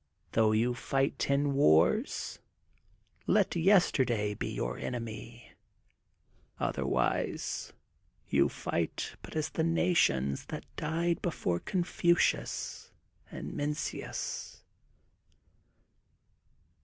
Though you fight ten wars, let yesterday be your enemy. Otherwise you fight but as the nations that died before Confucius, and Mencius.